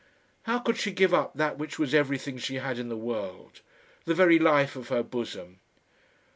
How could she give up that which was everything she had in the world the very life of her bosom?